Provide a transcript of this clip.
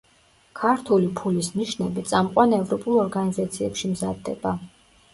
ქართული ფულის ნიშნები წამყვან ევროპულ ორგანიზაციებში მზადდება.